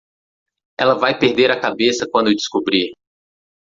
Ela vai perder a cabeça quando descobrir.